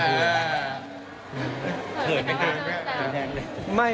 เผินไม่เขินหรือเปล่าเผินแข็งเลย